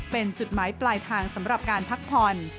เป็นจุดหมายปลายทางสำหรับการพักผ่อน